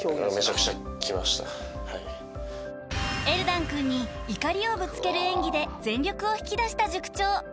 ［エルダン君に怒りをぶつける演技で全力を引き出した塾長。